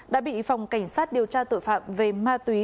đã bị phòng cảnh sát điều tra tội phạm về ma túy